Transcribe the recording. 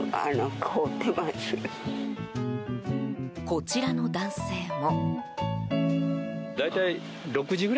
こちらの男性も。